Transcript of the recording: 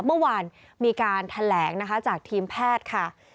เมื่อวานมีการแถลงนะคะจากทีมแพทย์ค่ะ